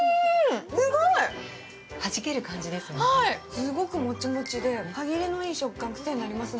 すごくモチモチで、歯切れのいい食感、クセになりますね。